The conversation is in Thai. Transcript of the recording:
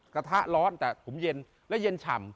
กระทะร้อนแต่ผมเย็นและเย็นฉ่ำ